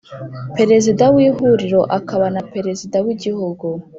Perezida w ihuriro akaba na Perezida w igihugu